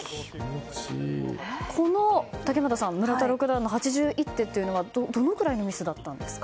この村田六段の８１手というのはどのくらいのミスだったんですか。